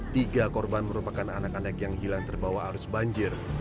tiga korban merupakan anak anak yang hilang terbawa arus banjir